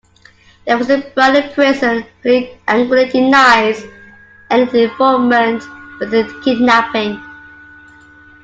They visit Brown in prison, but he angrily denies any involvement with the kidnapping.